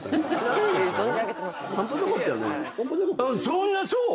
そんなそう？